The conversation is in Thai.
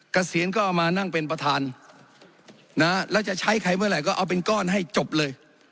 เกษียณก็เอามานั่งเป็นประธานนะแล้วจะใช้ใครเมื่อไหร่ก็เอาเป็นก้อนให้จบเลย